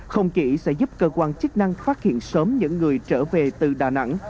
không chỉ sẽ giúp cơ quan chức năng phát hiện sớm những người trở về từ đà nẵng